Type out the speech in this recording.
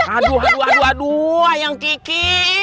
aduh aduh aduh aduh ayang kiki